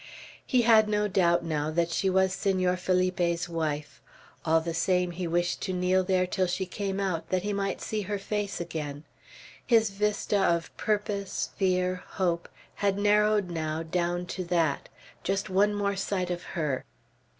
He had no doubt, now, that she was Senor Felipe's wife; all the same he wished to kneel there till she came out, that he might see her face again. His vista of purpose, fear, hope, had narrowed now down to that, just one more sight of her.